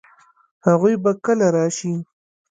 هغوی به کله راشي؟